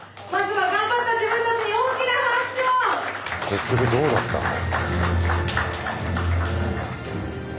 結局どうなったの？